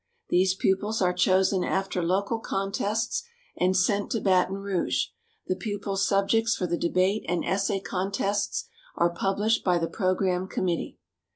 These pupils are chosen after local contests and sent to Baton Rouge. The pupils' subjects for the debate and essay contests are published by the Program Committee.